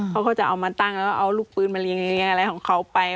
เขาก็จะเอามาตั้งแล้วก็เอาลูกปืนมาเลี้ยอะไรของเขาไป